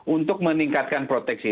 untuk meningkatkan proteksi